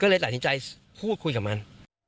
ก็เลยตัดสินใจพูดคุยกับมัน